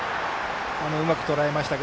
うまくとらえましたね。